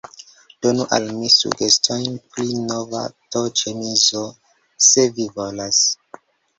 Donu al mi sugestojn pri nova t-ĉemizo, se vi volas.